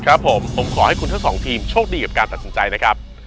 ครับผมผมขอให้คุณทั้งสองทีมโชคดีกับการตัดสินใจนะครับ